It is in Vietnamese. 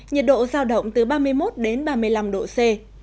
nhiệt độ giao động từ ba mươi một đến ba mươi năm độ c